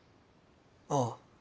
ああ。